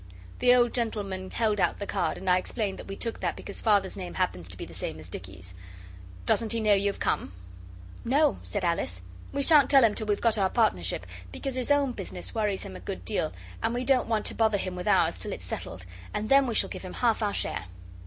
The old gentleman held out the card, and I explained that we took that because Father's name happens to be the same as Dicky's. 'Doesn't he know you've come?' 'No,' said Alice, 'we shan't tell him till we've got the partnership, because his own business worries him a good deal and we don't want to bother him with ours till it's settled, and then we shall give him half our share.